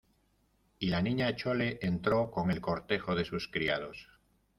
y la Niña Chole entró con el cortejo de sus criados.